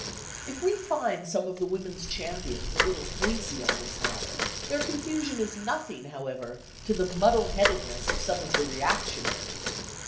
If we find some of the women's champions a little hazy on this matter, their confusion is as nothing, however, to the muddle headedness of some of the reactionaries.